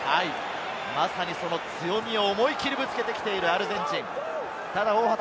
まさに強みを思い切りぶつけてきているアルゼンチン。